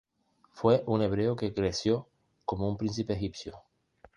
Fue un hebreo que creció como un príncipe egipcio.